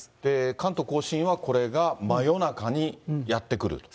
関東甲信は、これが真夜中にやって来るっていう。